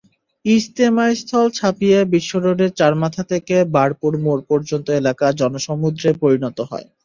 ইজতেমাস্থল ছাপিয়ে বিশ্বরোডের চারমাথা থেকে বারপুর মোড় পর্যন্ত এলাকা জনসমুদ্রে পরিণত হয়।